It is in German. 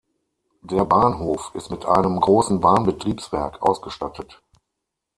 Der Bahnhof ist mit einem großen Bahnbetriebswerk ausgestattet.